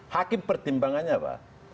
hakim pertimbangannya pak